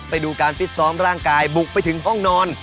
ไปดูการฟิตซ้อมร่างกายบุกไปถึงห้องนอน